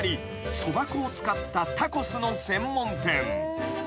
［そば粉を使ったタコスの専門店］